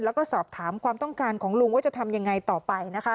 และสอบถามความต้องการของลุงว่าจะทำอย่างไรต่อไป